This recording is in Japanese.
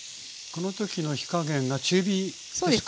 この時の火加減が中火ですか？